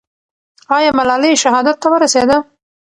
آیا ملالۍ شهادت ته ورسېده؟